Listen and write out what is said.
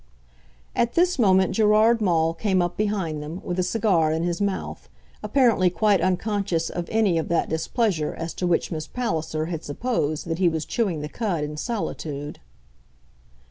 At this moment Gerard Maule came up behind them, with a cigar in his mouth, apparently quite unconscious of any of that displeasure as to which Miss Palliser had supposed that he was chewing the cud in solitude.